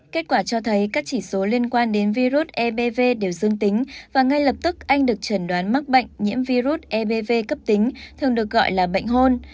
kết quả cho thấy các chỉ số liên quan đến virus ebv đều dương tính và ngay lập tức anh được chẩn đoán mắc bệnh nhiễm virus ebv cấp tính thường được gọi là bệnh hôn